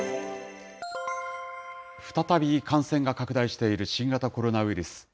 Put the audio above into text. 再び感染が拡大している新型コロナウイルス。